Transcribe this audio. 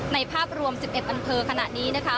ภาพรวม๑๑อำเภอขณะนี้นะคะ